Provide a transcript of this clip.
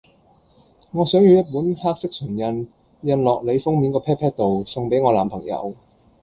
我想要一本黑色唇印，印落你封面個 pat pat 度，送俾我男朋友